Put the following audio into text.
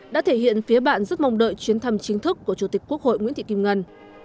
đã thể hiện phía bạn rất mong đợi chuyến thăm chính thức của chủ tịch quốc hội nguyễn thị kim ngân